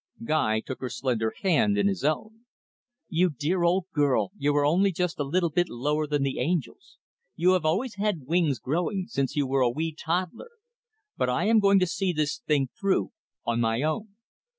Guy took her slender hand in his own. "You dear old girl, you are only just a little bit lower than the angels; you have always had wings growing since you were a wee toddler. But I am going to see this thing through on my own.